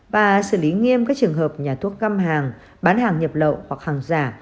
và xử lý nghiêm các trường hợp nhà thuốc găm hàng bán hàng nhập lậu hoặc hàng giả